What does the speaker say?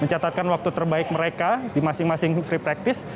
mencatatkan waktu terbaik mereka di masing masing free practice